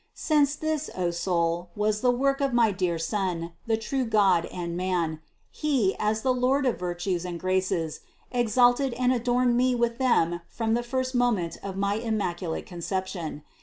341. Since this, O soul, was the work of my dear Son, the true God and man, He, as the Lord of virtues and graces, exalted and adorned me with them from the first moment of my Immaculate Conception.